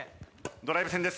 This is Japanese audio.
ドライブ戦です。